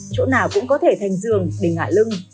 chỗ nào cũng có thể thành giường để ngại lưng